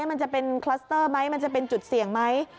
มันจะเป็นคลัสเตอร์ไหมมันจะเป็นจุดเสี่ยงไหม